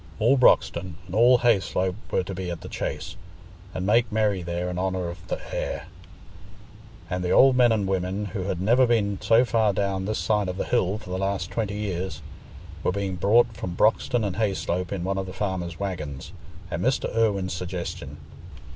All Broxton and all Hayslope were to be at the Chase, and make merry there in honour of "th' heir"; and the old men and women, who had never been so far down this side of the hill for the last twenty years, were being brought from Broxton and Hayslope in one of the farmer's waggons, at Mr. Irwine's suggestion.